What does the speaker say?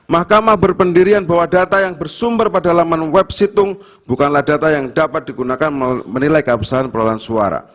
mahkamah berpendirian bahwa data yang bersumber pada laman web situng bukanlah data yang dapat digunakan menilai kehabisan perolahan suara